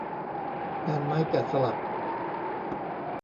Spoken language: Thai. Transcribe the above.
งานไม้แกะสลัก